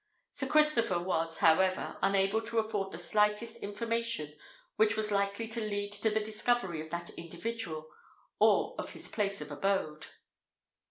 Sir Christopher was, however, unable to afford the slightest information which was likely to lead to the discovery of that individual, or of his place of abode.